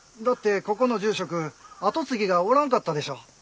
だってここの住職後継ぎがおらんかったでしょ。